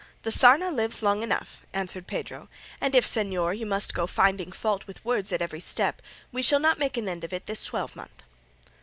"The sarna lives long enough," answered Pedro; "and if, señor, you must go finding fault with words at every step, we shall not make an end of it this twelvemonth."